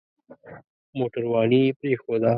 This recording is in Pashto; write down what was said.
موټرواني يې پرېښوده.